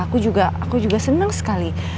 aku juga aku juga senang sekali